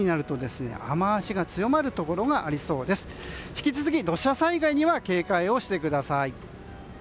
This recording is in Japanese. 引き続き土砂災害には警戒をしてください。